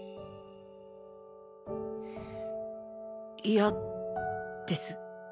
嫌です。